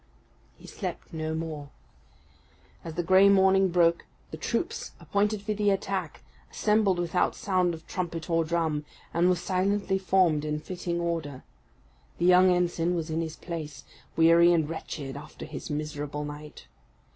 He slept no more. As the grey morning broke, the troops appointed for the attack assembled without sound of trumpet or drum, and were silently formed in fitting order. The young ensign was in his place, weary and wretched after his miserable night.